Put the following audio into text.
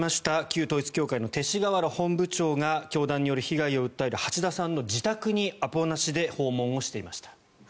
旧統一教会の勅使河原本部長が教団による被害を訴える橋田さんの自宅にアポなしで訪問をしていました。